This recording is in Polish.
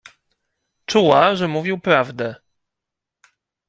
"Czuła, że mówił prawdę."